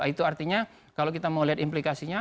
itu artinya kalau kita mau lihat implikasinya